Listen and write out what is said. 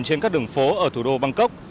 trên các đường phố ở thủ đô bangkok